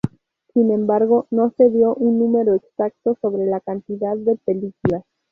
Sin embargo, no se dio un número exacto sobre la cantidad de películas.